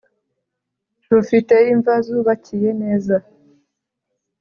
rufite imva zubakiye neza.